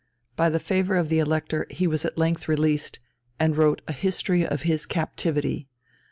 By the favour of the Elector he was at length released, and wrote a History of his Captivity (Zurich, 1605).